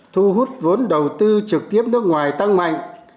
thu hút vốn đầu tư trực tiếp nước ngoài tăng mạnh